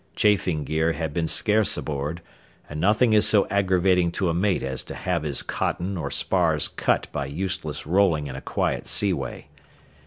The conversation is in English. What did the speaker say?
Chafing gear had been scarce aboard, and nothing is so aggravating to a mate as to have his cotton or spars cut by useless rolling in a quiet seaway.